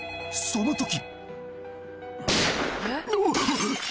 その時！